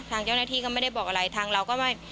ทางเจ้าหน้าที่ก็ไม่ได้บอกอะไรทางเราก็ไม่